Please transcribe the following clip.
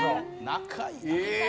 仲いいな。